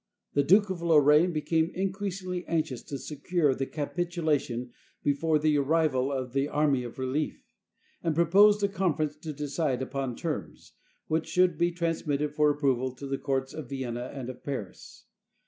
The Duke of Lorraine became increasingly anxious to secure the capitulation before the arrival of the army of relief, and proposed a conference to decide upon terms, which should be transmitted for approval to the courts of Vienna and of Paris.